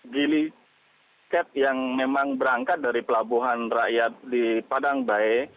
gili cat yang memang berangkat dari pelabuhan rakyat di padangbae